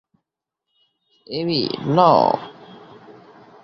Abby, না!